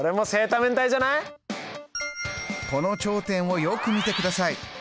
この頂点をよく見てください。